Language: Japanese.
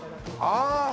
ああ！